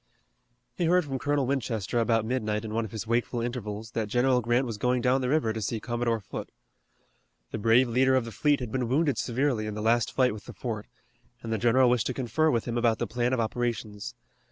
He heard from Colonel Winchester about midnight in one of his wakeful intervals that General Grant was going down the river to see Commodore Foote. The brave leader of the fleet had been wounded severely in the last fight with the fort, and the general wished to confer with him about the plan of operations.